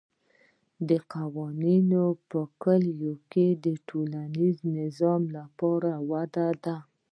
دا قوانین په کلیو کې د ټولنیز نظم لپاره دود دي.